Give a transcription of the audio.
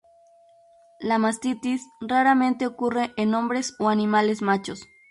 La mastitis raramente ocurre en hombres o animales machos.